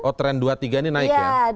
oh tren dua tiga ini naik ya